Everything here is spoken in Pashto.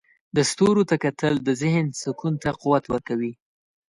د ستورو ته کتل د ذهن سکون ته قوت ورکوي.